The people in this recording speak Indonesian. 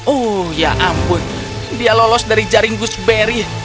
oh ya ampun dia lolos dari jaring gooseberry